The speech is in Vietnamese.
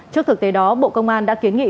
trước thực tế đó bộ công an đã kiến nghị